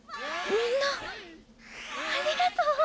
みんなありがとう！